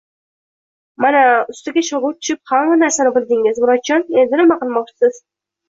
Mana, ustaga shogird tushib hamma narsani bildingiz, Murodjon! Endi nima qilmoqchisiz?